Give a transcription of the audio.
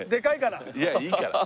いやいいから。